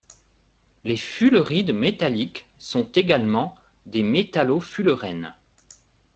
Les fullerides métalliques sont également des métallofullerènes.